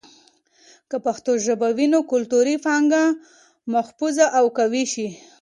که پښتو ژبه وي، نو کلتوري پانګه محفوظ او قوي شي.